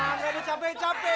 engga engga udah capek capek